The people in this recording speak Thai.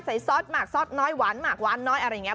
ซอสหมากซอสน้อยหวานหมากหวานน้อยอะไรอย่างนี้